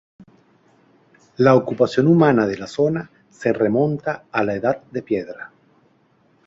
La ocupación humana de la zona se remonta a la Edad de Piedra.